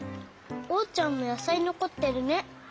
おうちゃんもやさいのこってるね。